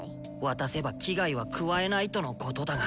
渡せば危害は加えないとのことだが。